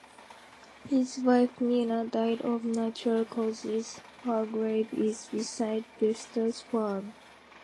His wife, Nina, died of natural causes; her grave is beside Vesta's farm.